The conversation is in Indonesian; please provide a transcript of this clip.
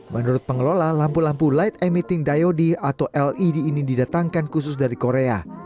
menurut pengelola lampu lampu light emiting diody atau led ini didatangkan khusus dari korea